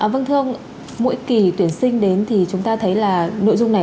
vâng thưa ông mỗi kỳ tuyển sinh đến thì chúng ta thấy là nội dung này